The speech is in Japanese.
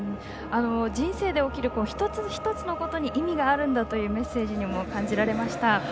人生で起きる一つ一つのことに意味があるというメッセージにも感じられました。